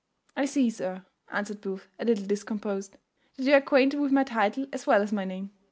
"I see, sir," answered Booth, a little discomposed, "that you are acquainted with my title as well as my name."